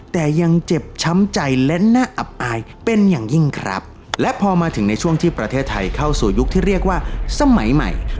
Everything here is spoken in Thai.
แต่ยังเจ็บช้ำใจและน่าอับอายเป็นอย่างยิ่งครับและพอมาถึงในช่วงที่ประเทศไทยเข้าสู่ยุคที่เรียกว่าสมัยใหม่